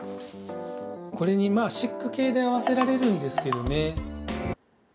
これにまあシック系で合わせられるんですけどね。